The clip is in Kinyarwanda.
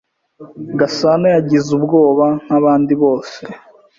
Gasana yagize ubwoba nkabandi bose.